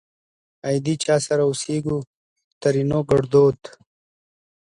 آئيدې چا سره اوسيږ؛ ترينو ګړدود